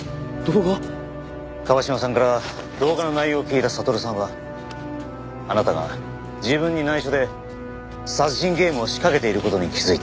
椛島さんから動画の内容を聞いた悟さんはあなたが自分に内緒で殺人ゲームを仕掛けている事に気づいた。